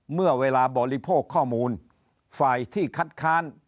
เมื่อเวลาบริโภคข้อมูลฝ่ายที่คัดค้าน